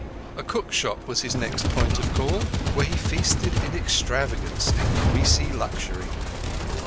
A cookshop was his next point of call, where he feasted in extravagance and greasy luxury.